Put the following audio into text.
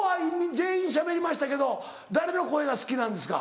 全員しゃべりましたけど誰の声が好きなんですか？